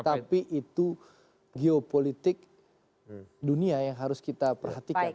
tapi itu geopolitik dunia yang harus kita perhatikan